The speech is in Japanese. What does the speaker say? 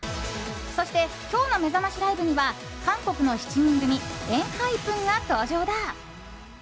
そして今日のめざましライブには韓国の７人組ＥＮＨＹＰＥＮが登場だ！